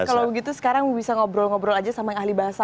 kalau begitu sekarang bisa ngobrol ngobrol aja sama yang ahli bahasa